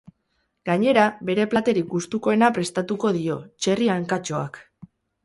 Gainera, bere platerik gustukoena prestatuko dio, txerri hankatxoak.